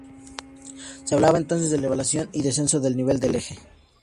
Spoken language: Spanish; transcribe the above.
Se habla entonces de elevación o descenso del nivel de eje.